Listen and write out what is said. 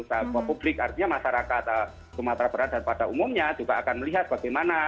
kalau publik artinya masyarakat atau pemerintah berada pada umumnya juga akan melihat bagaimana